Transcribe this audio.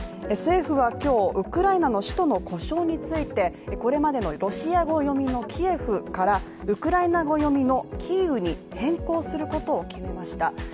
政府は今日、ウクライナの首都の呼称についてこれまでのロシア語読みのキエフからウクライナ語読みのキーウに変更することを決めました。